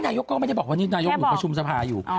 นายกก็ไม่ได้บอกว่านี่นายกอยู่ประชุมสภาอยู่